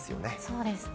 そうですね。